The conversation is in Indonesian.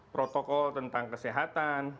protokol tentang kesehatan